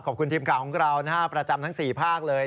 ขอบคุณทีมข่าวของเราประจำทั้ง๔ภาคเลย